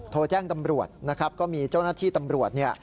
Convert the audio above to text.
โทรแจ้งตำรวจก็มีเจ้าหน้าที่ตำรวจ